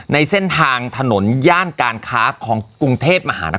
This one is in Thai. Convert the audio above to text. ในเส้นทางถนนย่านการค้าของกรุงเทพมหานคร